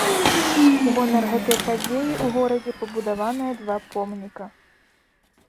У гонар гэтай падзеі ў горадзе пабудаваныя два помніка.